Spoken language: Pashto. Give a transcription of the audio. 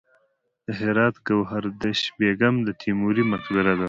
د هرات ګوهردش بیګم د تیموري مقبره ده